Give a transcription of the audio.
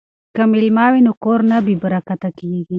که میلمه وي نو کور نه بې برکته کیږي.